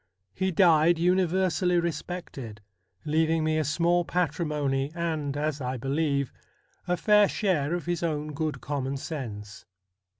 He died universally respected, leaving me a small patrimony, and, as I believe, a fair share of his own good common sense.